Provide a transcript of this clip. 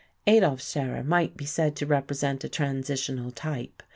Adolf Scherer might be said to represent a transitional type.